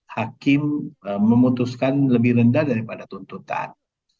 hakim memutuskan lebih rendah daripada tuntutan